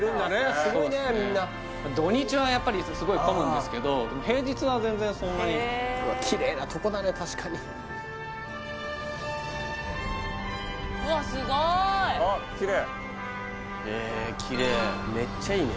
すごいねみんな土日はやっぱりすごい混むんですけど平日は全然そんなにわあすごいあっきれいへえきれいめっちゃいいね